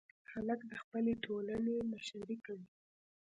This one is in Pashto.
هلک د خپلې ټولنې مشري کوي.